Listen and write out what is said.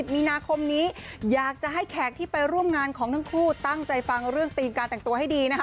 มีนาคมนี้อยากจะให้แขกที่ไปร่วมงานของทั้งคู่ตั้งใจฟังเรื่องธีมการแต่งตัวให้ดีนะคะ